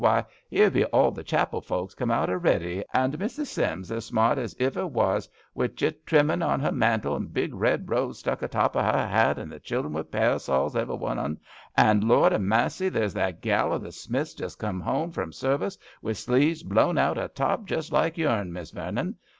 Why, 'ere be all the chapel folks come out a'ready; and Mrs. Sims as smart as iver was, wi' jit trimmin' on her mantle and a big red rose stuck a top o' 'er hat, and the chil'ren wi' parasols, every one on 'un; and Lrord a massy, there's that gal o' the Smiths just come 'ome from ser vice, wi* sleeves blown out a top jest like youm. Miss Vernon.